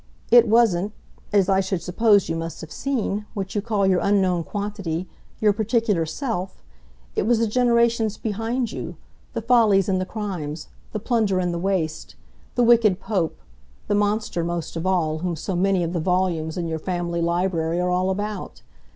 It wasn't as I should suppose you must have seen what you call your unknown quantity, your particular self. It was the generations behind you, the follies and the crimes, the plunder and the waste the wicked Pope, the monster most of all, whom so many of the volumes in your family library are all about.